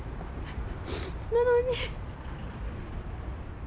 なのに。